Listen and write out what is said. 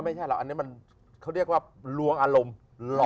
ไม่ใช่หรอกอันนี้มันเขาเรียกว่าลวงอารมณ์หล่อ